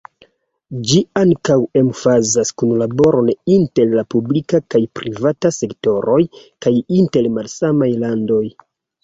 Ĝi ankaŭ emfazas kunlaboron inter la publika kaj privata sektoroj kaj inter malsamaj landoj.